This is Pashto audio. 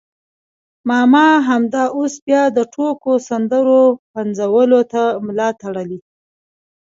ماما همدا اوس بیا د ټوکو سندرو پنځولو ته ملا تړلې.